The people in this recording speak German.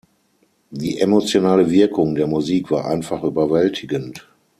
Die emotionale Wirkung der Musik war einfach überwältigend.